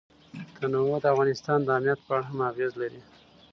تنوع د افغانستان د امنیت په اړه هم اغېز لري.